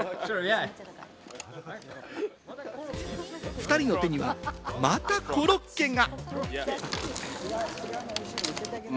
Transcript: ２人の手にはまたコロッケが。